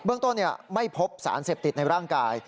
ต้นไม่พบสารเสพติดในร่างกาย